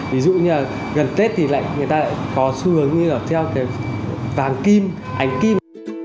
ví dụ như là gần tết thì người ta lại có xu hướng như là treo cái vàng kim ánh kim